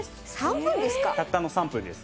たったの３分です。